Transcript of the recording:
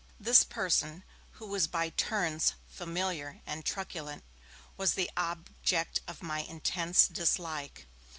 This person, who was by turns familiar and truculent, was the object of my intense dislike.